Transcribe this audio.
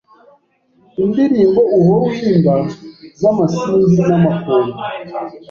Indirimbo uhora uhimba z’amasimbi n'Amakombe